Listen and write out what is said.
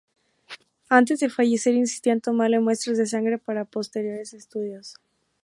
Antes de fallecer insistía en tomarle muestras de sangre para posteriores estudios.